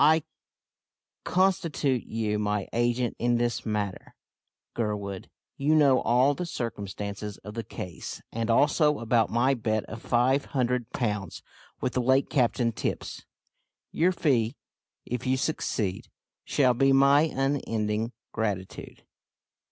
I constitute you my agent in this matter, Gurwood. You know all the circumstances of the case, and also about my bet of five hundred pounds with the late Captain Tipps. Your fee, if you succeed, shall be my unending gratitude.